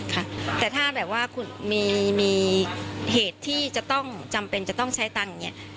ค่ะแต่ถ้าแบบว่าคุณมีเหตุที่จะต้องจำเป็นจะต้องใช้ตังค์เนี่ย